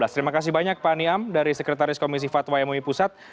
terima kasih banyak pak niam dari sekretaris komisi fatwa mui pusat